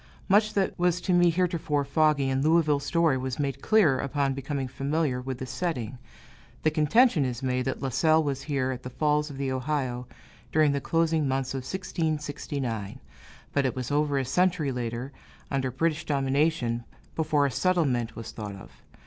Much that was to me heretofore foggy in Louisville story was made clear, upon becoming familiar with the setting. The contention is made that La Salle was here at the Falls of the Ohio, during the closing months of 1669; but it was over a century later, under British domination, before a settlement was thought of.